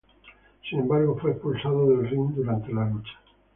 Sin embargo, fue expulsado del ring durante la lucha.